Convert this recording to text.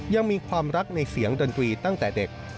ยังมีความรักในเสียงดนตรีตั้งแต่เด็ก